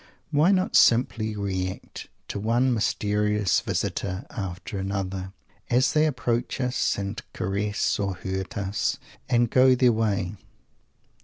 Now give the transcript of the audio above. Why not simply react to one mysterious visitor after another, as they approach us, and caress or hurt us, and go their way?